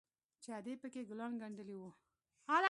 چې ادې پکښې ګلان گنډلي وو.